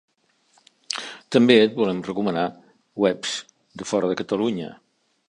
També et volem recomanar webs de fora de Catalunya.